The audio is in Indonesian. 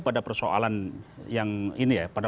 pada persoalan yang ini ya pada